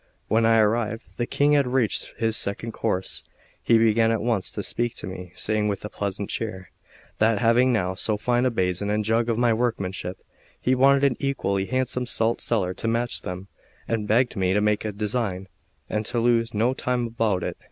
When I arrived, the King had reached his second course; he began at once to speak to me, saying, with a pleasant cheer, that having now so fine a basin and jug of my workmanship, he wanted an equally handsome salt cellar to match them; and begged me to make a design, and to lose no time about it.